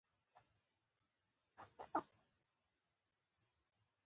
آیا دوی ژوبڼونه او پارکونه نلري؟